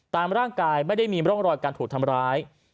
ตามร่างกายไม่ได้มีร่องรอยการถูกทำร้าย